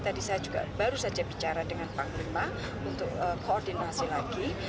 tadi saya juga baru saja bicara dengan panglima untuk koordinasi lagi